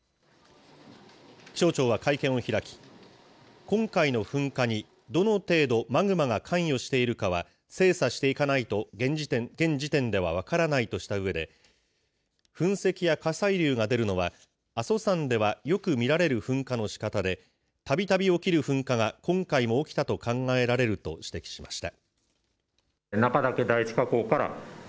気象庁は会見を開き、今回の噴火にどの程度マグマが関与しているかは、精査していかないと現時点では分からないとしたうえで、噴石や火砕流が出るのは阿蘇山ではよく見られる噴火のしかたで、たびたび起きる噴火が今回も起きたと考えられると指摘しました。